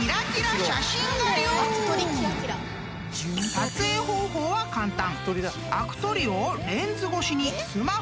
［撮影方法は簡単］